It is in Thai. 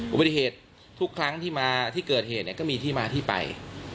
อุบัติเหตุทุกครั้งที่มาที่เกิดเหตุก็มีที่มาที่ไป